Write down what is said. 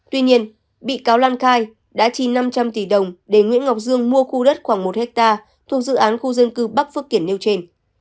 tuy nhiên bị cáo lan khai đã chi năm trăm linh tỷ đồng để nguyễn ngọc dương mua khu đất khoảng một ha thuộc dự án khu dân cư bắc phước kiển nêu trên